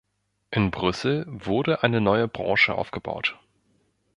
In Brüssel wurde eine neue Branche aufgebaut.